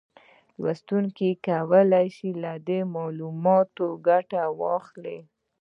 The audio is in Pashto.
لوستونکي کولای شي له دې معلوماتو ګټه واخلي